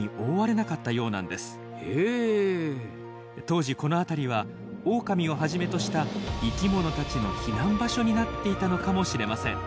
当時この辺りはオオカミをはじめとした生きものたちの避難場所になっていたのかもしれません。